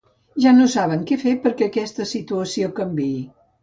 Ja no sabem què fer perquè aquesta situació canviï.